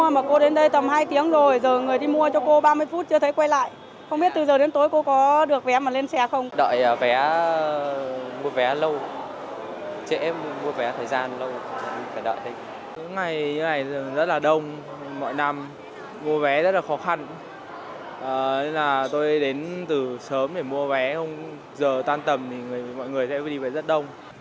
mỗi năm mua vé rất là khó khăn nên là tôi đến từ sớm để mua vé không giờ tan tầm thì mọi người sẽ đi về rất đông